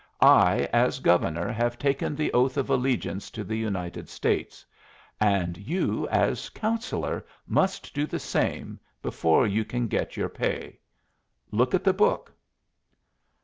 I as Governor have taken the oath of allegiance to the United States, and you as Councillor must do the same before you can get your pay. Look at the book."